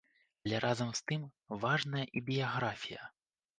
Але разам з тым важная і біяграфія.